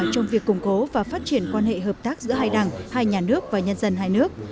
trong việc củng cố và phát triển quan hệ hợp tác giữa hai đảng hai nhà nước và nhân dân hai nước